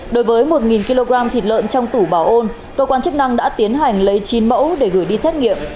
đối với một kg thịt lợn trong tủ bảo ôn cơ quan chức năng đã tiến hành lấy chín mẫu để gửi đi xét nghiệm